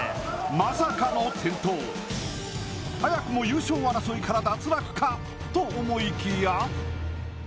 まさかの転倒早くも優勝争いから脱落かと思いきや